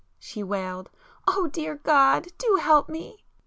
she wailed—"Oh dear God! Do help me!"